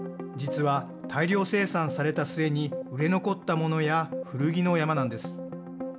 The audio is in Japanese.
実は、大量生産されたすえに売れ残ったものや古着の山なんです。